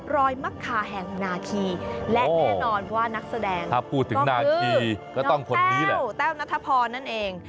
รอยมะคาแห่งนาทีและแน่นอนว่านักแสดงก็คือน้องแก้วแก้วนัทพอนั่นเอง